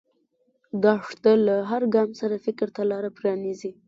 دښته له هر ګام سره فکر ته لاره پرانیزي.